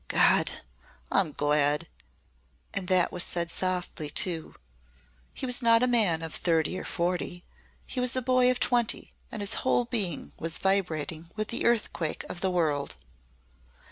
"God! I'm glad!" And that was said softly, too. He was not a man of thirty or forty he was a boy of twenty and his whole being was vibrating with the earthquake of the world.